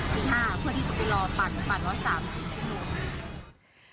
เพื่อที่จะไปรอปันปันว่า๓๔ชั่วโมง